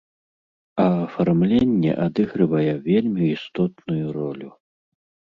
А афармленне адыгрывае вельмі істотную ролю!